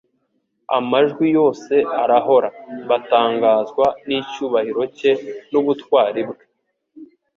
Amajwi yose arahora. Batangazwa n'icyubahiro cye n'ubutwari bwe